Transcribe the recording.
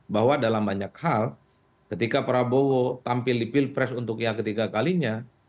bahwa dalam banyak hal ketika prabowo tampil di pilpres untuk yang ketiga kalinya